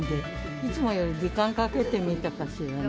いつもより時間かけて見たかしらね。